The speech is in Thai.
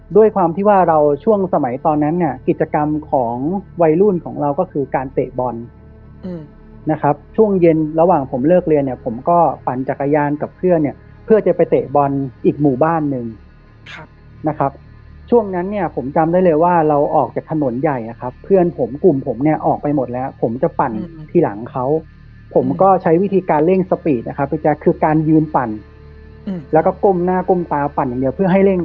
ด้วยความที่ว่าเราช่วงสมัยตอนนั้นเนี่ยกิจกรรมของวัยรุ่นของเราก็คือการเตะบอลนะครับช่วงเย็นระหว่างผมเลิกเรียนเนี่ยผมก็ปั่นจักรยานกับเพื่อนเนี่ยเพื่อจะไปเตะบอลอีกหมู่บ้านนึงนะครับช่วงนั้นเนี่ยผมจำได้เลยว่าเราออกจากถนนใหญ่นะครับเพื่อนผมกลุ่มผมเนี่ยออกไปหมดแล้วผมจะปั่นที่หลังเขาผมก็ใช้วิธีการเร่ง